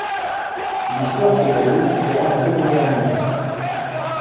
L'histoire se déroule durant la Seconde Guerre mondiale.